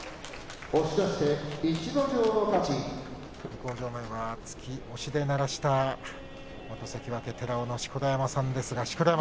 向正面は突き押しで鳴らした寺尾の錣山さんです。